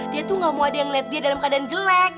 dia tuh gak mau ada yang melihat dia dalam keadaan jelek